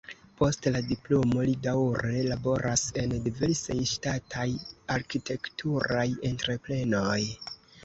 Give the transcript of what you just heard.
Post la diplomo li daŭre laboras en diversaj ŝtataj arkitekturaj entreprenoj.